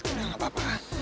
udah gak apa apa